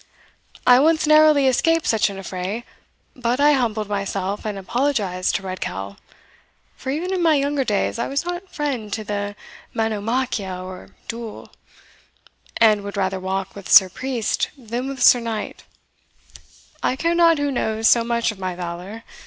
I once narrowly escaped such an affray but I humbled myself, and apologised to Redcowl; for, even in my younger days, I was no friend to the monomachia, or duel, and would rather walk with Sir Priest than with Sir Knight I care not who knows so much of my valour.